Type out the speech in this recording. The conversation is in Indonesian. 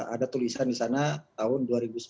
ada tulisan di sana tahun dua ribu sembilan belas